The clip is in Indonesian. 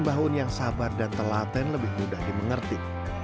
mbah un yang sabar dan telaten lebih mudah dimengerti